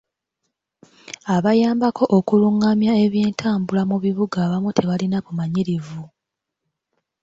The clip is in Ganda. Abayambako okulungamya ebyentambula mu bibuga abamu tebalina bumanyirivu.